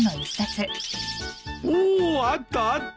おおあったあった。